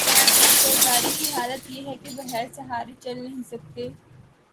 زرداری کی حالت یہ ہے کہ بغیر سہارے چل نہیں سکتے۔